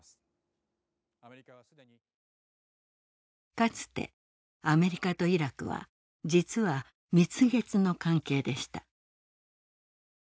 かつてアメリカとイラクは実は蜜月の関係でした。